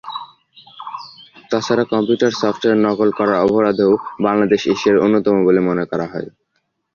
তাছাড়া computer software নকল করার অপরাধেও বাংলাদেশ এশিয়ার অন্যতম বলে মনে করা হয়।